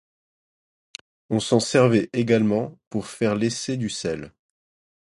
On s'en servait également pour faire l'essai du sel.